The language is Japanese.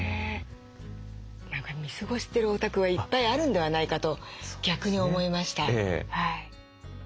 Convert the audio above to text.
何か見過ごしてるお宅はいっぱいあるんではないかと逆に思いました。